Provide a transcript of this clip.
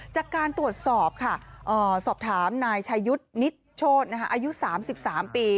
จากการตรวจสอบค่ะสอบถามนายชายุทธ์นิดโชธอายุ๓๓ปี